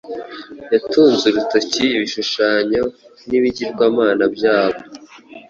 Yatunze urutoki ibishushanyo n’ibigirwamana byabo